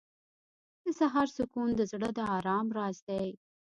• د سهار سکون د زړه د آرام راز دی.